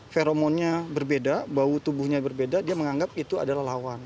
feromonnya berbeda bau tubuhnya berbeda dia menganggap itu adalah lawan